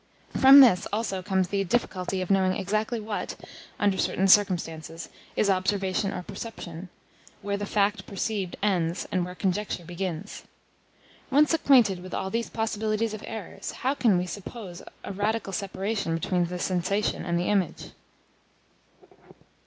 From this also comes the difficulty of knowing exactly what, under certain circumstances, is observation or perception, where the fact perceived ends, and where conjecture begins. Once acquainted with all these possibilities of errors, how can we suppose a radical separation between the sensation and the image?